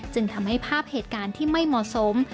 จึงทำให้ภาพเหตุการณ์ที่ไม่เหมาะสม